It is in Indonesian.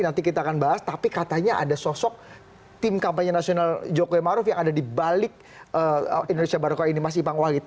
nanti kita akan bahas tapi katanya ada sosok tim kampanye nasional jokowi maruf yang ada di balik indonesia baroka ini mas ipang wahid